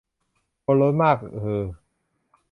คนล้นมาก ฮือ